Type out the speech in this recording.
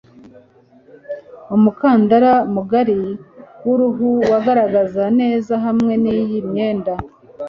Umukandara mugari wuruhu wagaragara neza hamwe niyi myenda